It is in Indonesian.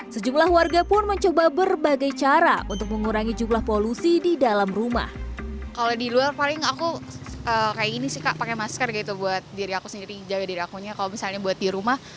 sejumlah warga pun mencoba berbagai cara untuk mengurangi jumlah polusi di dalam rumah